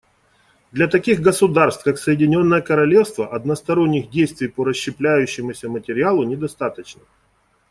Для таких государств, как Соединенное Королевство, односторонних действий по расщепляющемуся материалу недостаточно.